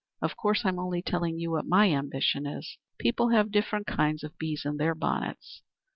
Of course, I'm only telling you what my ambition is. People have different kinds of bees in their bonnets.